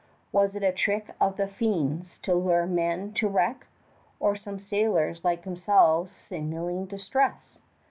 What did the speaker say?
Was it a trick of the fiends to lure men to wreck, or some sailors like themselves signaling distress?